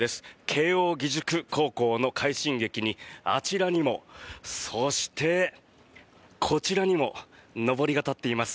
慶応義塾高校の快進撃にあちらにも、そしてこちらにものぼりが立っています。